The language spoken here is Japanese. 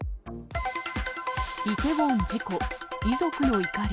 イテウォン事故、遺族の怒り。